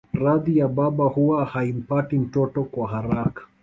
Radhi ya baba huwa haimpati mtoto kwa haraka